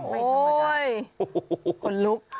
โอ้โหคนลุก